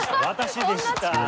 私でした。